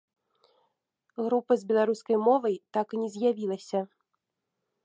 Група з беларускай мовай так і не з'явілася.